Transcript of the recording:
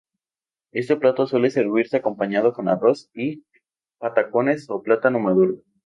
Este plato suele servirse acompañado con arroz y patacones o con plátano maduro.